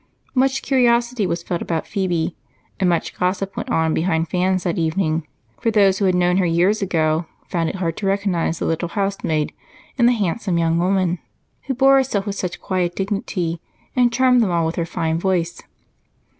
Much curiosity was felt about Phebe, and much gossip went on behind fans that evening, for those who had known her years ago found it hard to recognize the little housemaid in the handsome young woman who bore herself with such quiet dignity and charmed them all with her fine voice.